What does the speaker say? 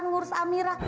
nggak ngurus amira